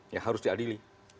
yang harus diadili